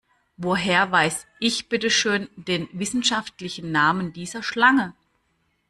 Woher weiß ich bitteschön den wissenschaftlichen Namen dieser Schlange?